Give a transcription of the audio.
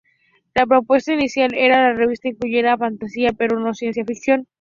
La propuesta inicial era que la revista incluyera fantasía, pero no ciencia ficción.